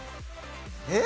えっ？